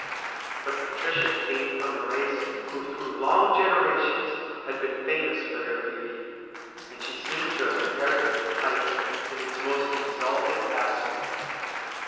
But Patricia came from a race who through long generations had been famous for their beauty, and she seemed to have inherited the type in its most exalted aspect.